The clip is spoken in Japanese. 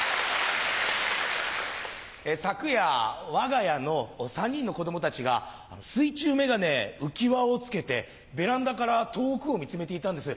昨夜わが家の３人の子供たちが水中眼鏡浮輪を着けてベランダから遠くを見つめていたんです。